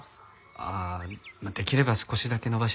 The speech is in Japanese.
ああできれば少しだけ延ばして頂けると。